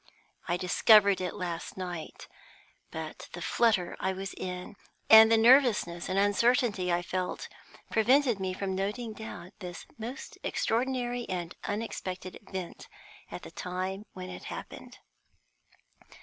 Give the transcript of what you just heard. I discovered it last night; but the flutter I was in, and the nervousness and uncertainty I felt, prevented me from noting down this most extraordinary and unexpected event at the time when it happened.